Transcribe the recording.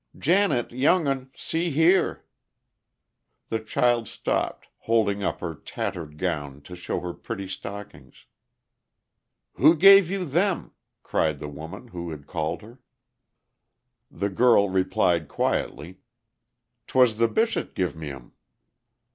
"Janet, young un! See here!" The child stopped, holding up her tattered gown to show her pretty stockings. "Who give you them?" cried the woman who had called her. The girl replied quietly, "'Twas the Bishop give me 'em."